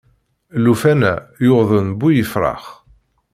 Llufan-a yuḍen bu yefrax.